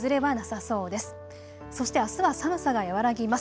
そして、あすは寒さが和らぎます。